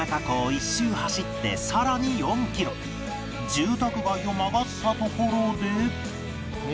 住宅街を曲がったところで